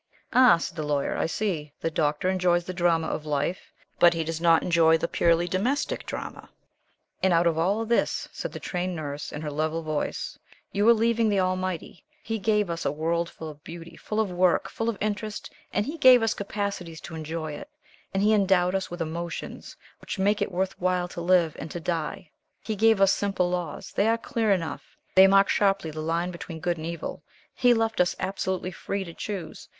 "Ah," said the Lawyer, "I see. The Doctor enjoys the drama of life, but he does not enjoy the purely domestic drama." "And out of all this," said the Trained Nurse, in her level voice, "you are leaving the Almighty. He gave us a world full of beauty, full of work, full of interest, and he gave us capacities to enjoy it, and endowed us with emotions which make it worth while to live and to die. He gave us simple laws they are clear enough they mark sharply the line between good and evil. He left us absolutely free to choose.